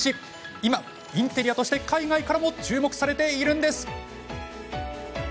今、インテリアとして海外からも注目されているんです。